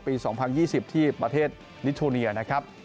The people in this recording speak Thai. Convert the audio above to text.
๒๐๒๐ที่ประเทศนิทโทเนียนะครับ